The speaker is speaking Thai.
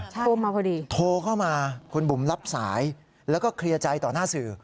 โทรมาพอดีโทรเข้ามาคุณบุ๋มรับสายแล้วก็เคลียร์ใจต่อหน้าสื่อ